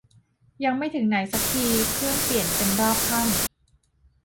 ยังไม่ถึงไหนซักที เครื่องเปลี่ยนเป็นรอบค่ำ